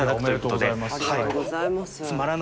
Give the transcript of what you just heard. おめでとうございます。